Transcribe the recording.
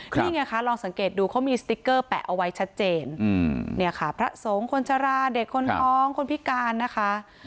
นี่ไงคะลองสังเกตดูเขามีสติ๊กเกอร์แปะเอาไว้ชัดเจนเนี่ยค่ะพระสงฆ์คนชราเด็กคนท้องคนพิการนะคะ